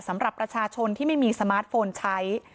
สำหรับประชาชนที่ไม่มีสมาร์ทโฟนใช้